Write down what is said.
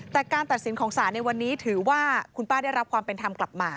แต่การตัดสินของศาลในวันนี้ถือว่าคุณป้าได้รับความเป็นธรรมกลับมา